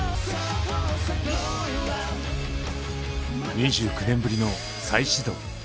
２９年ぶりの再始動。